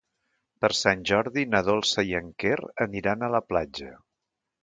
Per Sant Jordi na Dolça i en Quer aniran a la platja.